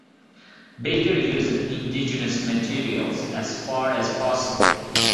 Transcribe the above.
Baker used indigenous materials as far as possible.